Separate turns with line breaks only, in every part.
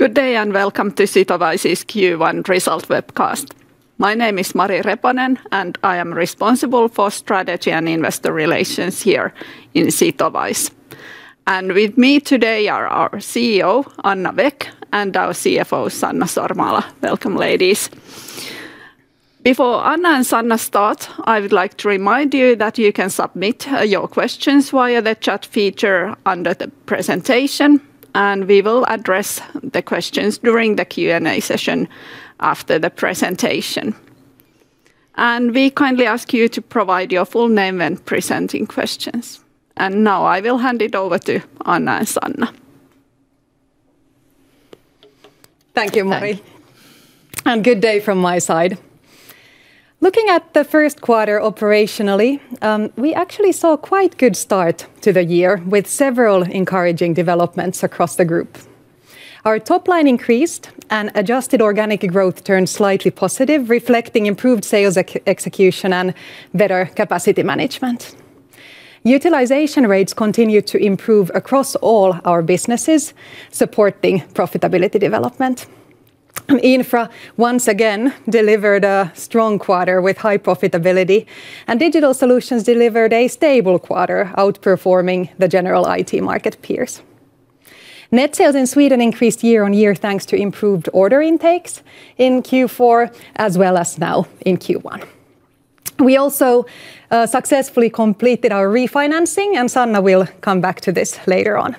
Good day, and welcome to Sitowise's Q1 result webcast. My name is Mari Reponen, and I am responsible for strategy and investor relations here in Sitowise. With me today are our CEO, Anna Wäck, and our CFO, Sanna Sormaala. Welcome, ladies. Before Anna and Sanna start, I would like to remind you that you can submit your questions via the chat feature under the presentation, and we will address the questions during the Q&A session after the presentation. We kindly ask you to provide your full name when presenting questions. Now I will hand it over to Anna and Sanna.
Thank you, Mari.
Thank you.
Good day from my side. Looking at the first quarter operationally, we actually saw quite good start to the year, with several encouraging developments across the group. Our top line increased, and adjusted organic growth turned slightly positive, reflecting improved sales execution and better capacity management. Utilization rates continued to improve across all our businesses, supporting profitability development. Infra once again delivered a strong quarter with high profitability, and Digital Solutions delivered a stable quarter, outperforming the general IT market peers. Net sales in Sweden increased year-on-year, thanks to improved order intakes in Q4, as well as now in Q1. We also successfully completed our refinancing, and Sanna will come back to this later on.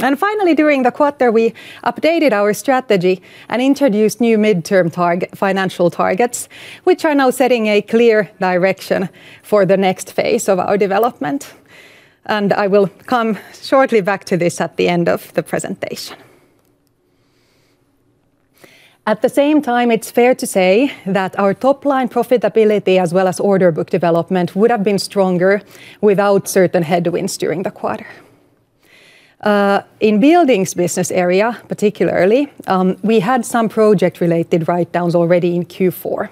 Finally, during the quarter, we updated our strategy and introduced new midterm financial targets, which are now setting a clear direction for the next phase of our development, and I will come shortly back to this at the end of the presentation. At the same time, it's fair to say that our top-line profitability, as well as order book development, would have been stronger without certain headwinds during the quarter. In Buildings business area particularly, we had some project-related write-downs already in Q4,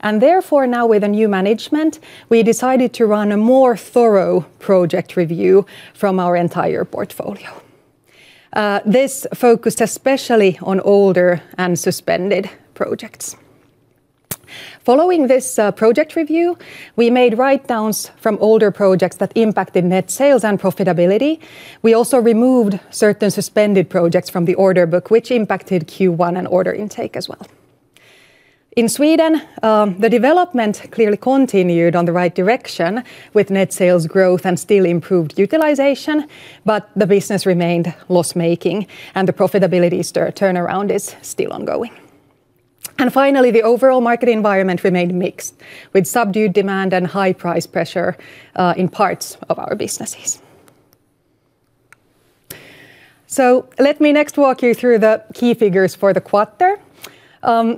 and therefore now with a new management, we decided to run a more thorough project review from our entire portfolio. This focused especially on older and suspended projects. Following this, project review, we made write-downs from older projects that impacted net sales and profitability. We also removed certain suspended projects from the order book, which impacted Q1 and order intake as well. In Sweden, the development clearly continued on the right direction with net sales growth and still improved utilization. The business remained loss-making, and the profitability turnaround is still ongoing. Finally, the overall market environment remained mixed, with subdued demand and high price pressure in parts of our businesses. Let me next walk you through the key figures for the quarter.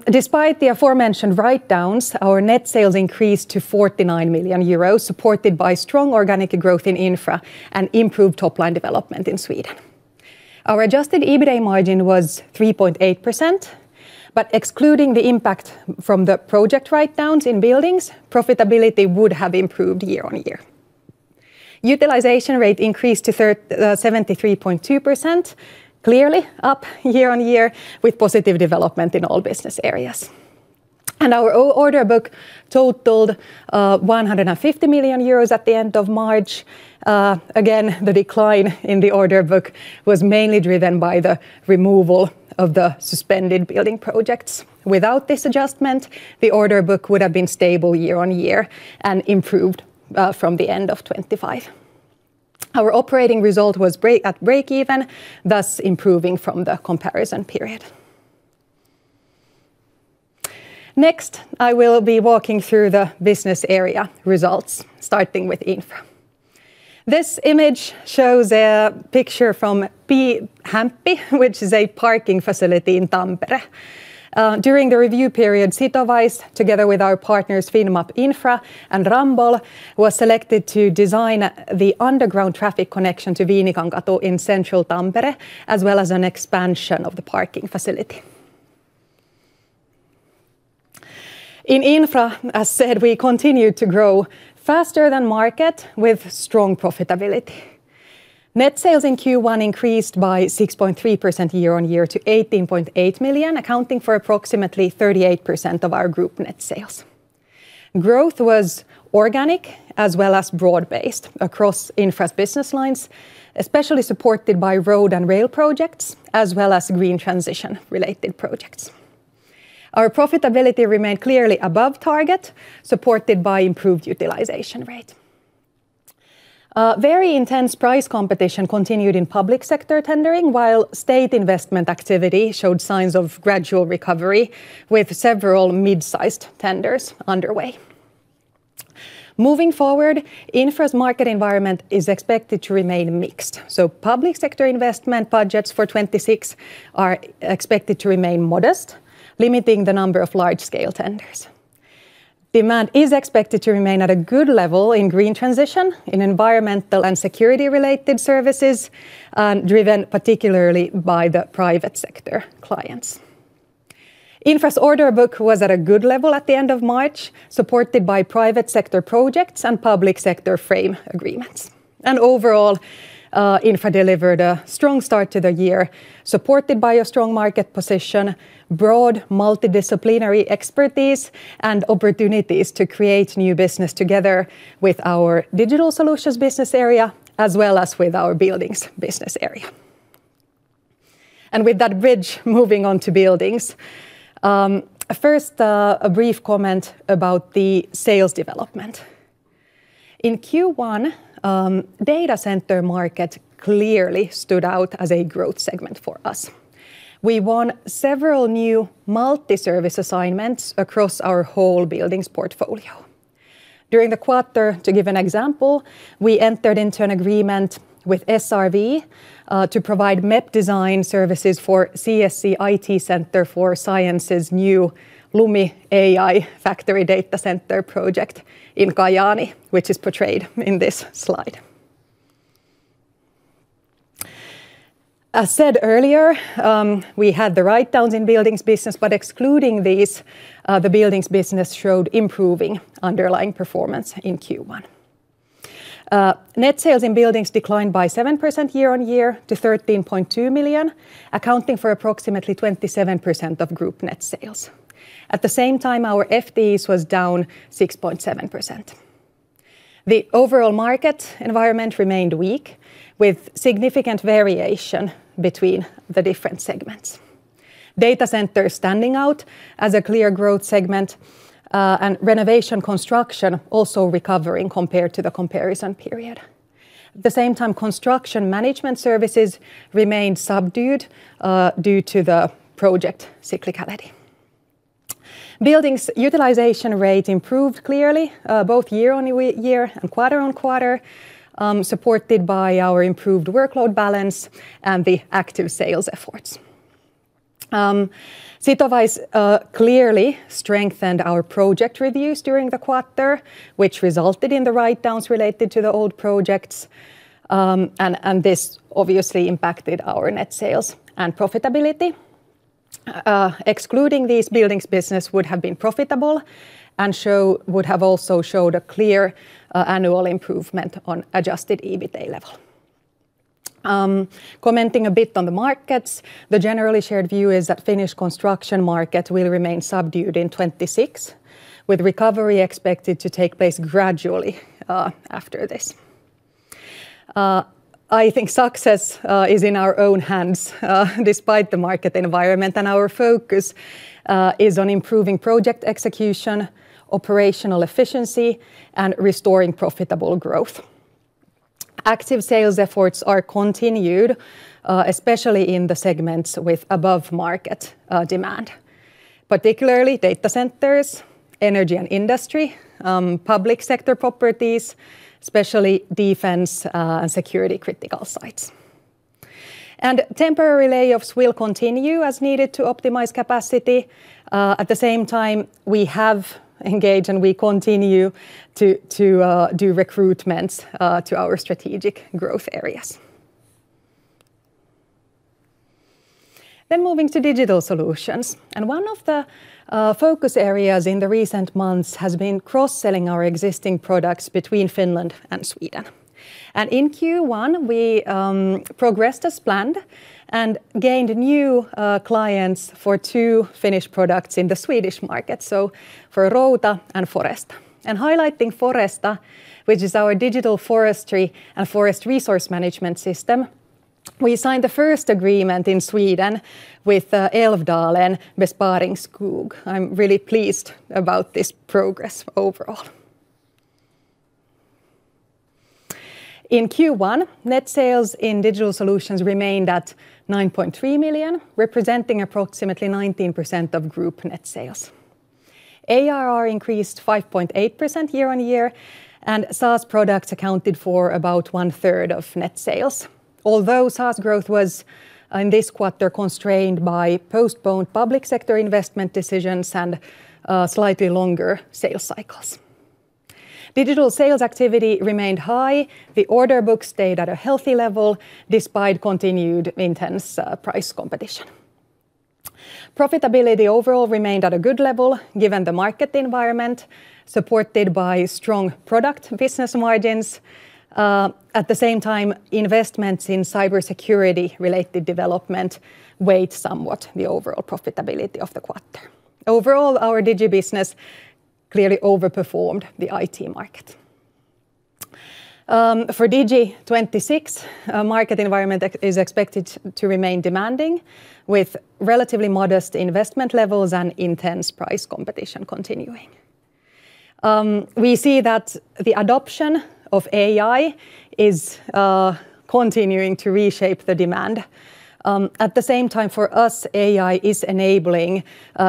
Despite the aforementioned write-downs, our net sales increased to 49 million euros, supported by strong organic growth in Infra and improved top-line development in Sweden. Our adjusted EBITDA margin was 3.8%. Excluding the impact from the project write-downs in Buildings, profitability would have improved year on year. Utilization rate increased to 73.2%, clearly up year on year, with positive development in all business areas. Our order book totaled 150 million euros at the end of March. Again, the decline in the order book was mainly driven by the removal of the suspended building projects. Without this adjustment, the order book would have been stable year on year and improved from the end of 2025. Our operating result was at break even, thus improving from the comparison period. Next, I will be walking through the business area results, starting with Infra. This image shows a picture from P-Hämppi, which is a parking facility in Tampere. During the review period, Sitowise, together with our partners, Finnmap Infra and Ramboll, was selected to design the underground traffic connection to Viinikankatu in central Tampere, as well as an expansion of the parking facility. In Infra, as said, we continued to grow faster than market, with strong profitability. Net sales in Q1 increased by 6.3% year-on-year to 18.8 million, accounting for approximately 38% of our group net sales. Growth was organic as well as broad-based across Infra's business lines, especially supported by road and rail projects, as well as green transition-related projects. Our profitability remained clearly above target, supported by improved utilization rate. Very intense price competition continued in public sector tendering, while state investment activity showed signs of gradual recovery, with several mid-sized tenders underway. Moving forward, Infra's market environment is expected to remain mixed, so public sector investment budgets for 2026 are expected to remain modest, limiting the number of large-scale tenders. Demand is expected to remain at a good level in green transition, in environmental and security-related services, and driven particularly by the private sector clients. Infra's order book was at a good level at the end of March, supported by private sector projects and public sector frame agreements. Overall, Infra delivered a strong start to the year, supported by a strong market position, broad multidisciplinary expertise, and opportunities to create new business together with our Digital Solutions business area, as well as with our Buildings business area. With that bridge, moving on to Buildings. First, a brief comment about the sales development. In Q1, data center market clearly stood out as a growth segment for us. We won several new multi-service assignments across our whole Buildings portfolio. During the quarter, to give an example, we entered into an agreement with SRV to provide MEP design services for CSC - IT Center for Science's new LUMI AI Factory data center project in Kajaani, which is portrayed in this slide. As said earlier, we had the write-downs in Buildings business, but excluding these, the Buildings business showed improving underlying performance in Q1. Net sales in Buildings declined by 7% year-on-year to 13.2 million, accounting for approximately 27% of group net sales. At the same time, our FTEs was down 6.7%. The overall market environment remained weak, with significant variation between the different segments. Data center standing out as a clear growth segment, and renovation construction also recovering compared to the comparison period. At the same time, construction management services remained subdued, due to the project cyclicality. Buildings utilization rate improved clearly, both year-on-year and quarter-on-quarter, supported by our improved workload balance and the active sales efforts. Sitowise clearly strengthened our project reviews during the quarter, which resulted in the write-downs related to the old projects. This obviously impacted our net sales and profitability. Excluding these Buildings, business would have been profitable and would have also showed a clear annual improvement on adjusted EBITDA level. Commenting a bit on the markets, the generally shared view is that Finnish construction market will remain subdued in 2026, with recovery expected to take place gradually after this. I think success is in our own hands despite the market environment. Our focus is on improving project execution, operational efficiency, and restoring profitable growth. Active sales efforts are continued, especially in the segments with above market demand, particularly data centers, energy and industry, public sector properties, especially defense and security-critical sites. Temporary layoffs will continue as needed to optimize capacity. At the same time, we have engaged and we continue to do recruitments to our strategic growth areas. Moving to Digital Solutions. One of the focus areas in the recent months has been cross-selling our existing products between Finland and Sweden. In Q1, we progressed as planned and gained new clients for two Finnish products in the Swedish market, so for Routa and Foresta. Highlighting Foresta, which is our digital forestry and forest resource management system, we signed the first agreement in Sweden with Älvdalens Besparingsskog. I'm really pleased about this progress overall. In Q1, net sales in Digital Solutions remained at 9.3 million, representing approximately 19% of Group net sales. ARR increased 5.8% year-on-year, and SaaS products accounted for about 1/3 of net sales. Although SaaS growth was, in this quarter, constrained by postponed public sector investment decisions and slightly longer sales cycles. Digital sales activity remained high. The order book stayed at a healthy level despite continued intense price competition. Profitability overall remained at a good level given the market environment, supported by strong product business margins. At the same time, investments in cybersecurity-related development weighed somewhat the overall profitability of the quarter. Overall, our Digi business clearly overperformed the IT market. For Digi 2026, our market environment is expected to remain demanding, with relatively modest investment levels and intense price competition continuing. We see that the adoption of AI is continuing to reshape the demand. At the same time, for us, AI is enabling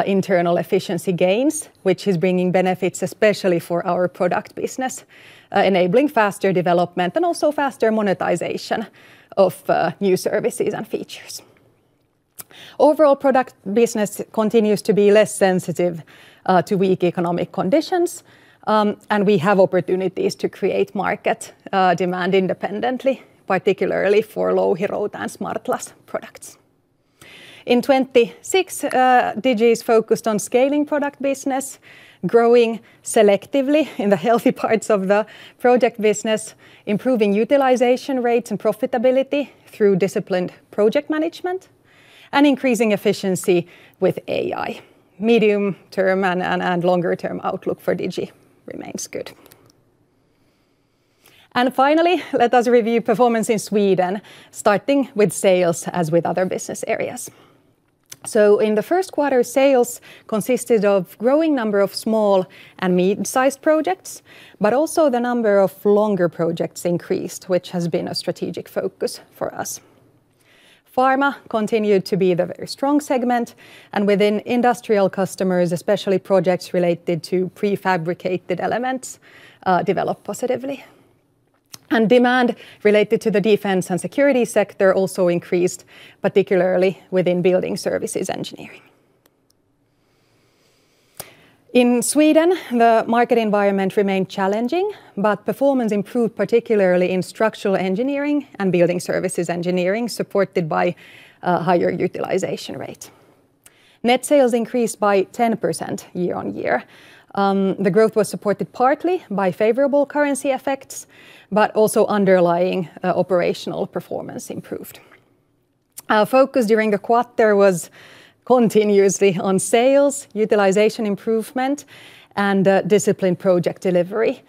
internal efficiency gains, which is bringing benefits especially for our product business, enabling faster development and also faster monetization of new services and features. Overall product business continues to be less sensitive to weak economic conditions. We have opportunities to create market demand independently, particularly for Louhi, Routa, and Smartlas products. In 2026, Digi is focused on scaling product business, growing selectively in the healthy parts of the project business, improving utilization rates and profitability through disciplined project management, and increasing efficiency with AI. Medium term and longer-term outlook for Digi remains good. Finally, let us review performance in Sweden, starting with sales, as with other business areas. In the first quarter, sales consisted of growing number of small and mid-sized projects, but also the number of longer projects increased, which has been a strategic focus for us. Pharma continued to be the very strong segment, and within industrial customers, especially projects related to prefabricated elements developed positively. Demand related to the defense and security sector also increased, particularly within building services engineering. In Sweden, the market environment remained challenging, but performance improved, particularly in structural engineering and building services engineering, supported by higher utilization rate. Net sales increased by 10% year-on-year. The growth was supported partly by favorable currency effects, but also underlying operational performance improved. Our focus during the quarter was continuously on sales, utilization improvement, and disciplined project delivery,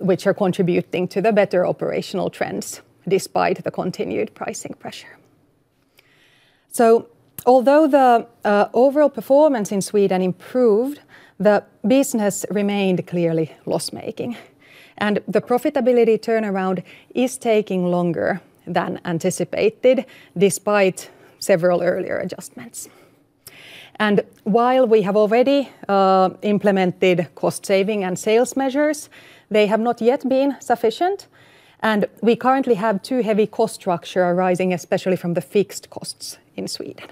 which are contributing to the better operational trends despite the continued pricing pressure. Although the overall performance in Sweden improved, the business remained clearly loss-making, and the profitability turnaround is taking longer than anticipated despite several earlier adjustments. While we have already implemented cost saving and sales measures, they have not yet been sufficient, and we currently have too heavy cost structure arising, especially from the fixed costs in Sweden.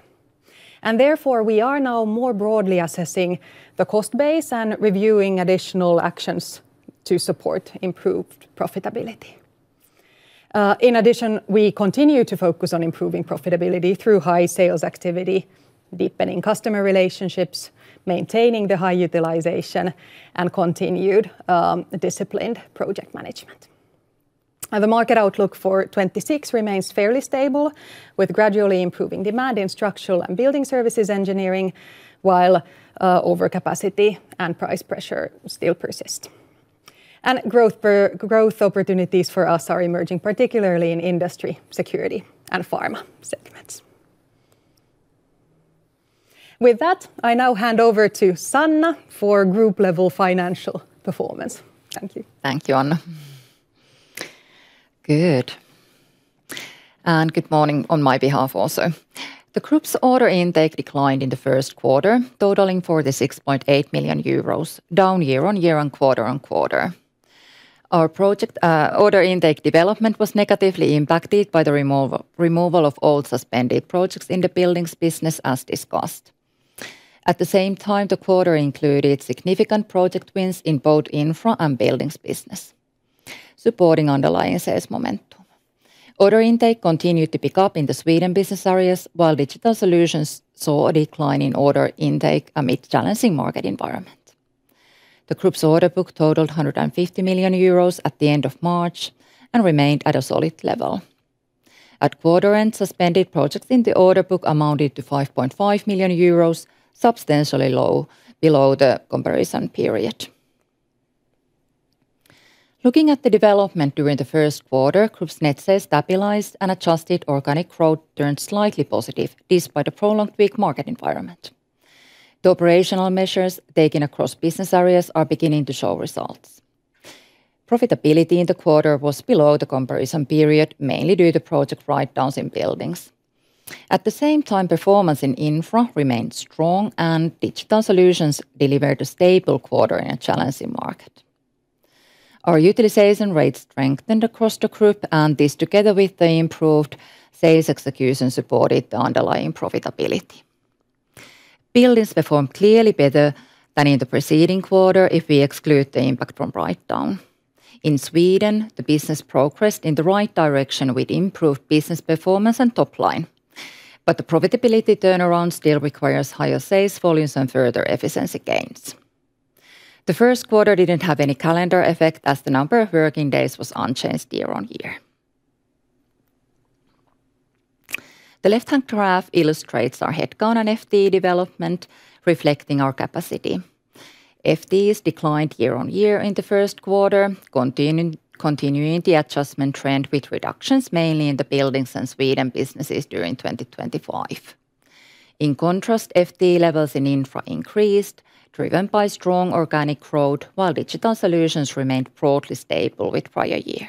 Therefore, we are now more broadly assessing the cost base and reviewing additional actions to support improved profitability. In addition, we continue to focus on improving profitability through high sales activity, deepening customer relationships, maintaining the high utilization, and continued disciplined project management. The market outlook for 2026 remains fairly stable, with gradually improving demand in structural and building services engineering, while overcapacity and price pressure still persist. Growth opportunities for us are emerging, particularly in industry, security, and pharma segments. With that, I now hand over to Sanna for group level financial performance. Thank you.
Thank you, Anna. Good morning on my behalf also. The Group's order intake declined in the first quarter, totaling 6.8 million euros, down year-on-year and quarter-on-quarter. Our project order intake development was negatively impacted by the removal of all suspended projects in the Buildings business as discussed. At the same time, the quarter included significant project wins in both Infra and Buildings business, supporting underlying sales momentum. Order intake continued to pick up in the Sweden business areas, while Digital Solutions saw a decline in order intake amid challenging market environment. The Group's order book totaled 150 million euros at the end of March and remained at a solid level. At quarter end, suspended projects in the order book amounted to 5.5 million euros, substantially low, below the comparison period. Looking at the development during the first quarter, Group's net sales stabilized and adjusted organic growth turned slightly positive, despite a prolonged weak market environment. The operational measures taken across business areas are beginning to show results. Profitability in the quarter was below the comparison period, mainly due to project write-downs in Buildings. At the same time, performance in Infra remained strong and Digital Solutions delivered a stable quarter in a challenging market. Our utilization rate strengthened across the Group, and this together with the improved sales execution supported the underlying profitability. Buildings performed clearly better than in the preceding quarter if we exclude the impact from write-down. In Sweden, the business progressed in the right direction with improved business performance and topline. The profitability turnaround still requires higher sales volumes and further efficiency gains. The first quarter didn't have any calendar effect as the number of working days was unchanged year-on-year. The left-hand graph illustrates our headcount and FTE development reflecting our capacity. FTEs declined year-on-year in the first quarter, continuing the adjustment trend with reductions mainly in the Buildings and Sweden businesses during 2025. In contrast, FTE levels in Infra increased, driven by strong organic growth, while Digital Solutions remained broadly stable with prior year.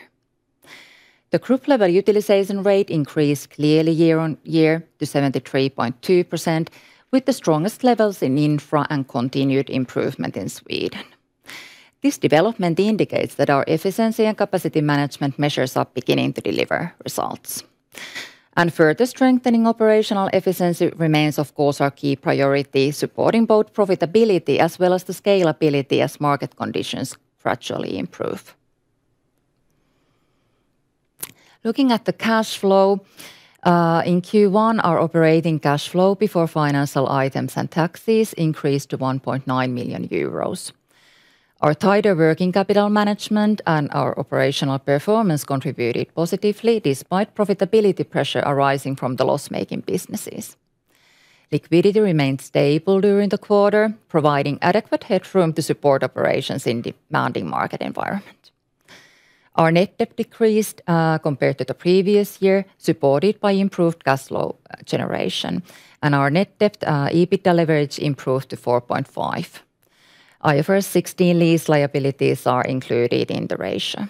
The Group level utilization rate increased clearly year-on-year to 73.2%, with the strongest levels in Infra and continued improvement in Sweden. This development indicates that our efficiency and capacity management measures are beginning to deliver results. Further strengthening operational efficiency remains, of course, our key priority, supporting both profitability as well as the scalability as market conditions gradually improve. Looking at the cash flow, in Q1 our operating cash flow before financial items and taxes increased to 1.9 million euros. Our tighter working capital management and our operational performance contributed positively despite profitability pressure arising from the loss making businesses. Liquidity remained stable during the quarter, providing adequate headroom to support operations in demanding market environment. Our net debt decreased compared to the previous year, supported by improved cash flow generation. Our net debt EBITDA leverage improved to 4.5. IFRS 16 lease liabilities are included in the ratio.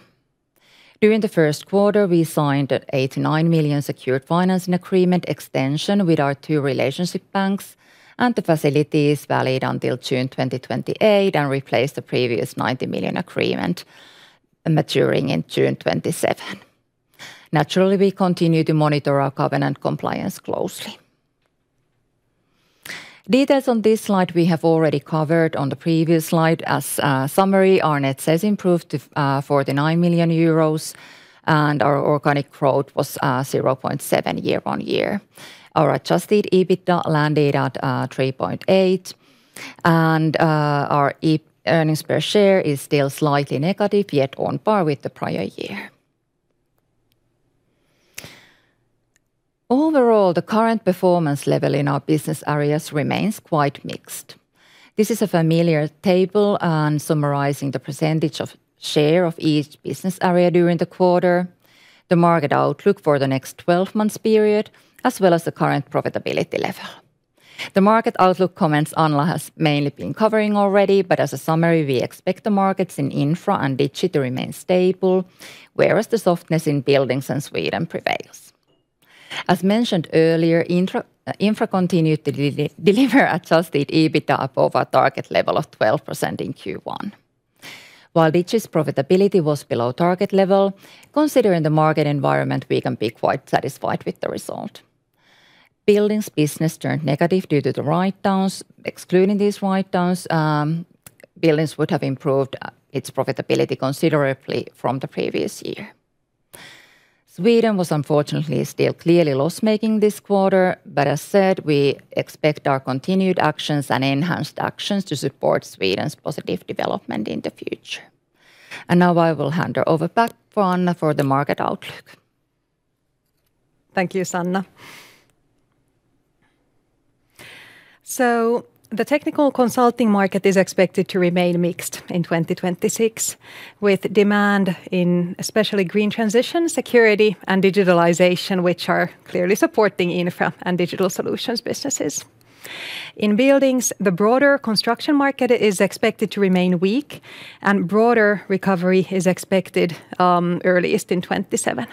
During the first quarter, we signed an 89 million secured financing agreement extension with our two relationship banks, and the facility is valid until June 2028 and replaced the previous 90 million agreement maturing in June 2027. Naturally, we continue to monitor our covenant compliance closely. Details on this slide we have already covered on the previous slide. As a summary, our net sales improved to 49 million euros, and our organic growth was 0.7% year-on-year. Our adjusted EBITDA landed at 3.8 and our earnings per share is still slightly negative, yet on par with the prior year. Overall, the current performance level in our business areas remains quite mixed. This is a familiar table and summarizing the percentage of share of each business area during the quarter, the market outlook for the next 12-month period, as well as the current profitability level. The market outlook comments Anna has mainly been covering already, but as a summary, we expect the markets in Infra and Digi to remain stable, whereas the softness in Buildings and Sweden prevails. As mentioned earlier, Infra continued to deliver adjusted EBITDA above our target level of 12% in Q1. While Digi's profitability was below target level, considering the market environment, we can be quite satisfied with the result. Buildings business turned negative due to the write-downs. Excluding these write-downs, Buildings would have improved its profitability considerably from the previous year. Sweden was unfortunately still clearly loss-making this quarter, but as said, we expect our continued actions and enhanced actions to support Sweden's positive development in the future. Now I will hand over back to Anna for the market outlook.
Thank you, Sanna. The technical consulting market is expected to remain mixed in 2026 with demand in especially green transition, security and digitalization, which are clearly supporting Infra and Digital Solutions businesses. In Buildings, the broader construction market is expected to remain weak and broader recovery is expected earliest in 2027.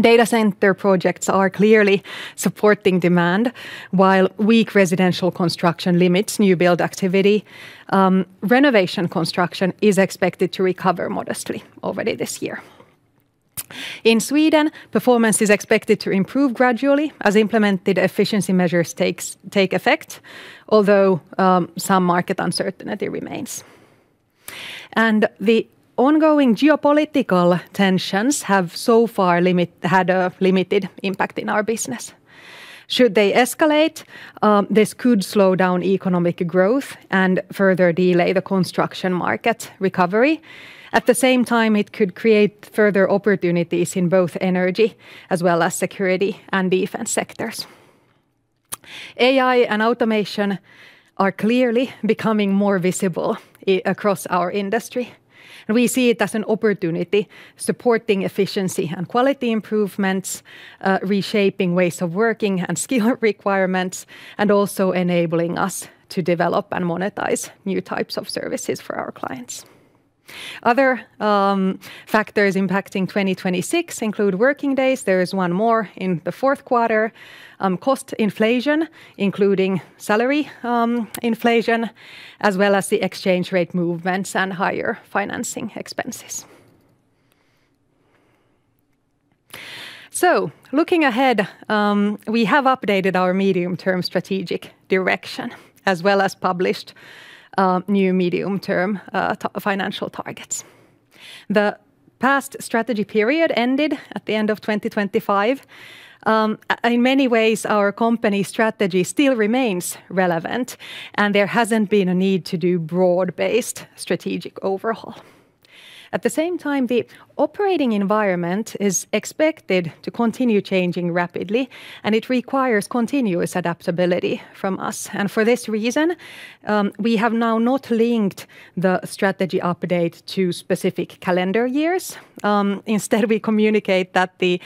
Data center projects are clearly supporting demand while weak residential construction limits new build activity. Renovation construction is expected to recover modestly already this year. In Sweden, performance is expected to improve gradually as implemented efficiency measures take effect, although some market uncertainty remains. The ongoing geopolitical tensions have so far had a limited impact in our business. Should they escalate, this could slow down economic growth and further delay the construction market recovery. At the same time, it could create further opportunities in both energy as well as security and defense sectors. AI and automation are clearly becoming more visible across our industry, and we see it as an opportunity supporting efficiency and quality improvements, reshaping ways of working and skill requirements, and also enabling us to develop and monetize new types of services for our clients. Other factors impacting 2026 include working days. There is one more in the fourth quarter, cost inflation, including salary inflation, as well as the exchange rate movements and higher financing expenses. Looking ahead, we have updated our medium-term strategic direction as well as published new medium-term financial targets. The past strategy period ended at the end of 2025. In many ways, our company strategy still remains relevant, and there hasn't been a need to do broad-based strategic overhaul. At the same time, the operating environment is expected to continue changing rapidly, it requires continuous adaptability from us. For this reason, we have now not linked the strategy update to specific calendar years. Instead we communicate that the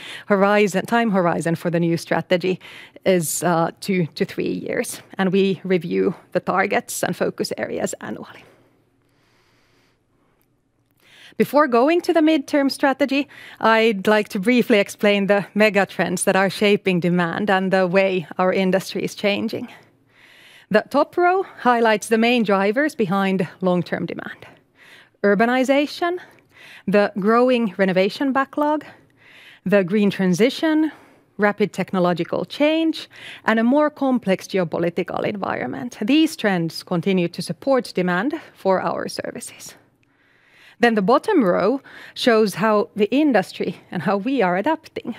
time horizon for the new strategy is two to three years, and we review the targets and focus areas annually. Before going to the midterm strategy, I'd like to briefly explain the mega trends that are shaping demand and the way our industry is changing. The top row highlights the main drivers behind long-term demand: urbanization, the growing renovation backlog, the green transition, rapid technological change and a more complex geopolitical environment. These trends continue to support demand for our services. The bottom row shows how the industry and how we are adapting.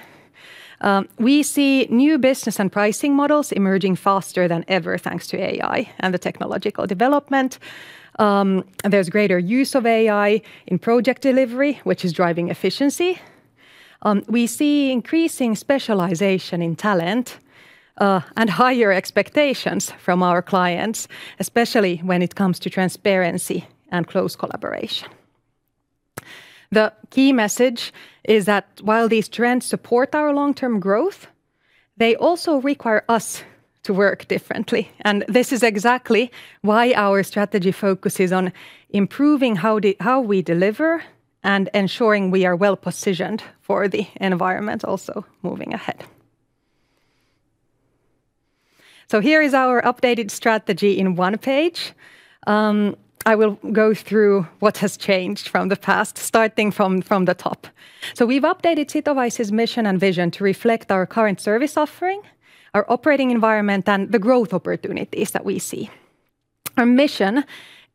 We see new business and pricing models emerging faster than ever thanks to AI and the technological development. There's greater use of AI in project delivery, which is driving efficiency. We see increasing specialization in talent and higher expectations from our clients, especially when it comes to transparency and close collaboration. The key message is that while these trends support our long-term growth, they also require us to work differently, and this is exactly why our strategy focuses on improving how we deliver and ensuring we are well-positioned for the environment also moving ahead. Here is our updated strategy in one page. I will go through what has changed from the past, starting from the top. We've updated Sitowise's mission and vision to reflect our current service offering, our operating environment, and the growth opportunities that we see. Our mission,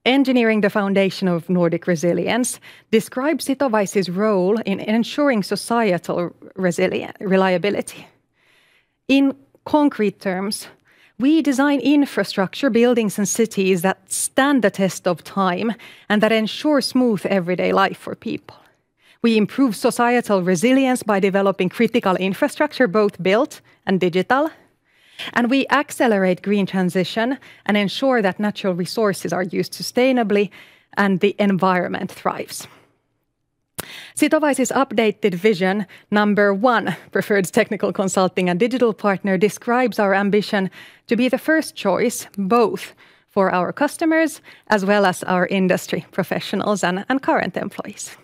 engineering the foundation of Nordic resilience, describes Sitowise's role in ensuring societal reliability. In concrete terms, we design infrastructure, buildings, and cities that stand the test of time and that ensure smooth everyday life for people. We improve societal resilience by developing critical infrastructure, both built and digital, we accelerate green transition and ensure that natural resources are used sustainably and the environment thrives. Sitowise's updated vision, number one preferred technical consulting and digital partner, describes our ambition to be the first choice both for our customers as well as our industry professionals and current employees.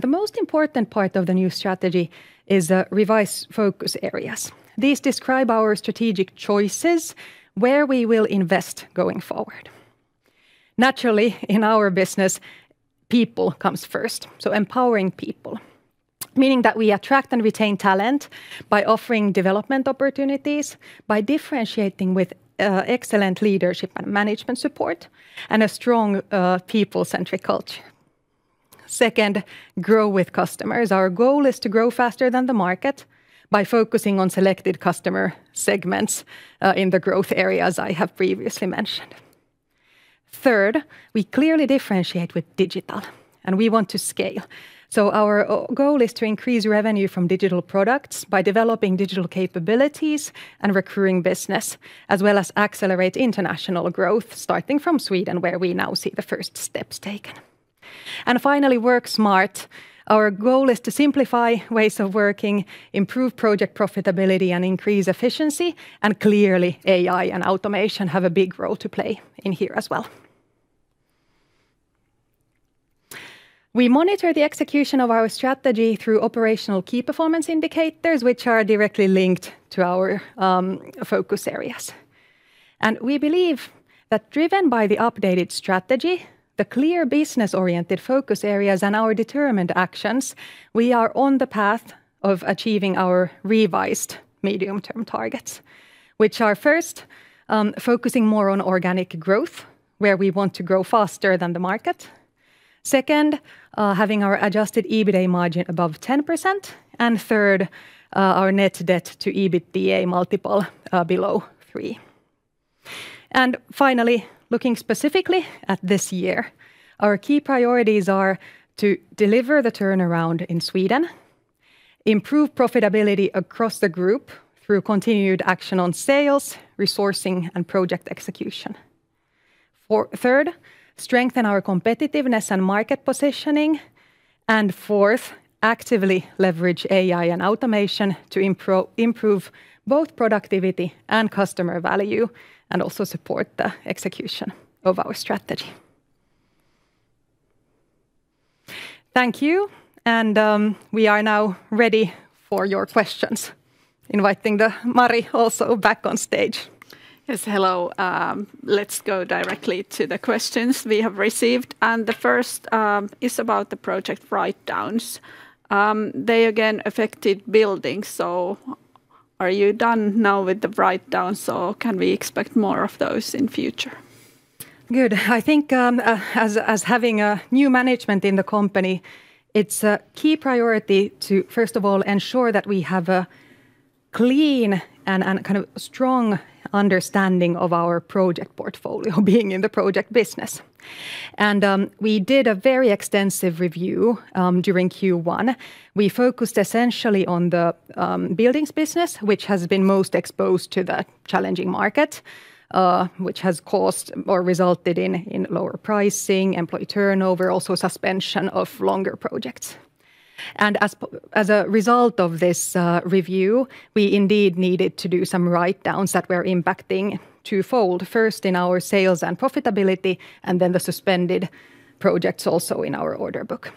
The most important part of the new strategy is the revised focus areas. These describe our strategic choices where we will invest going forward. Naturally, in our business, people comes first, so empowering people, meaning that we attract and retain talent by offering development opportunities, by differentiating with excellent leadership and management support, and a strong, people-centric culture. Second, grow with customers. Our goal is to grow faster than the market by focusing on selected customer segments in the growth areas I have previously mentioned. Third, we clearly differentiate with digital, and we want to scale. Our goal is to increase revenue from digital products by developing digital capabilities and recurring business as well as accelerate international growth starting from Sweden, where we now see the first steps taken. Finally, work smart. Our goal is to simplify ways of working, improve project profitability, and increase efficiency, and clearly, AI and automation have a big role to play in here as well. We monitor the execution of our strategy through operational key performance indicators, which are directly linked to our focus areas. We believe that driven by the updated strategy, the clear business-oriented focus areas, and our determined actions, we are on the path of achieving our revised medium-term targets, which are, first, focusing more on organic growth, where we want to grow faster than the market. Second, having our adjusted EBITDA margin above 10%, and third, our net debt to EBITDA multiple below three. Finally, looking specifically at this year, our key priorities are to deliver the turnaround in Sweden, improve profitability across the group through continued action on sales, resourcing, and project execution. Third, strengthen our competitiveness and market positioning. Fourth, actively leverage AI and automation to improve both productivity and customer value and also support the execution of our strategy. Thank you. We are now ready for your questions. Inviting the Mari also back on stage.
Yes, hello. Let's go directly to the questions we have received, and the first is about the project write-downs. They again affected Buildings. Are you done now with the write-downs, or can we expect more of those in future?
Good. I think, as having a new management in the company, it's a key priority to, first of all, ensure that we have a clean and kind of strong understanding of our project portfolio, being in the project business. We did a very extensive review during Q1. We focused essentially on the Buildings business, which has been most exposed to the challenging market, which has caused or resulted in lower pricing, employee turnover, also suspension of longer projects. As a result of this review, we indeed needed to do some write-downs that were impacting twofold, first in our sales and profitability, then the suspended projects also in our order book.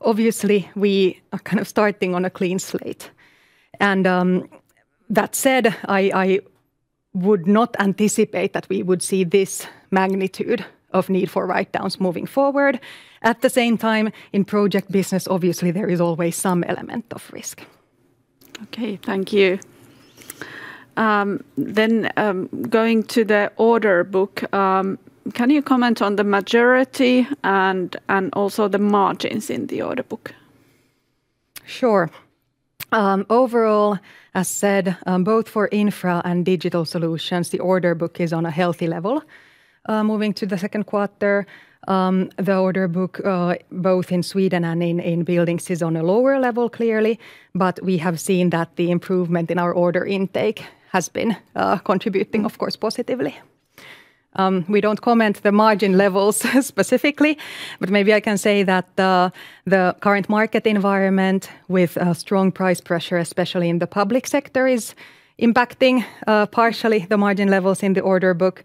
Obviously, we are kind of starting on a clean slate. That said, I would not anticipate that we would see this magnitude of need for write-downs moving forward. At the same time, in project business, obviously there is always some element of risk.
Okay, thank you. Going to the order book, can you comment on the majority and also the margins in the order book?
Sure. Overall, as said, both for Infra and Digital Solutions, the order book is on a healthy level. Moving to the second quarter, the order book both in Sweden and in Buildings is on a lower level clearly, we have seen that the improvement in our order intake has been contributing of course positively. We don't comment the margin levels specifically, maybe I can say that the current market environment with a strong price pressure, especially in the public sector, is impacting partially the margin levels in the order book.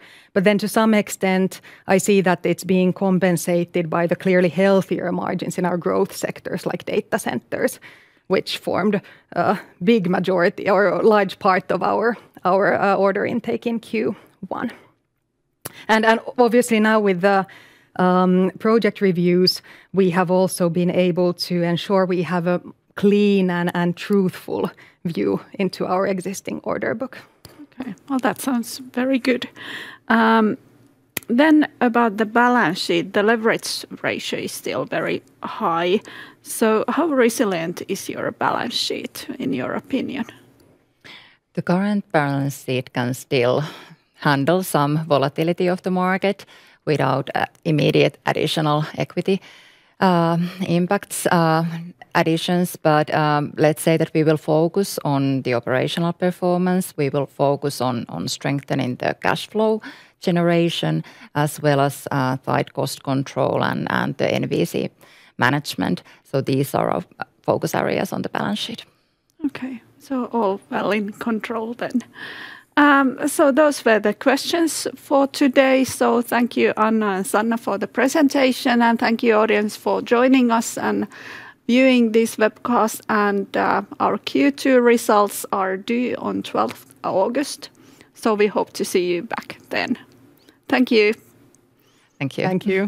To some extent, I see that it's being compensated by the clearly healthier margins in our growth sectors like data centers, which formed a big majority or a large part of our order intake in Q1. Obviously now with the project reviews, we have also been able to ensure we have a clean and truthful view into our existing order book.
Okay. Well, that sounds very good. About the balance sheet, the leverage ratio is still very high, so how resilient is your balance sheet, in your opinion?
The current balance sheet can still handle some volatility of the market without immediate additional equity impacts, additions. Let's say that we will focus on the operational performance. We will focus on strengthening the cash flow generation as well as tight cost control and the [inaudible] management. These are focus areas on the balance sheet.
Okay. All well in control then. Those were the questions for today, thank you Anna and Sanna for the presentation, and thank you audience for joining us and viewing this webcast. Our Q2 results are due on 12th August, we hope to see you back then. Thank you.
Thank you.
Thank you.